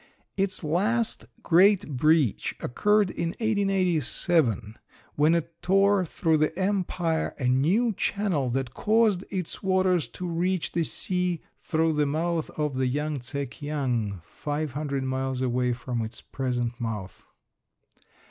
Its last great breach occurred in 1887, when it tore through the empire a new channel that caused its waters to reach the sea through the mouth of the Yangtse kiang five hundred miles away from its present mouth.